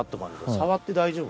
触って大丈夫？